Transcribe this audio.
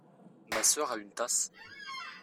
Ma sœur a une tasse.